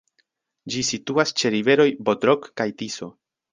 Ĝi situas ĉe riveroj Bodrog kaj Tiso.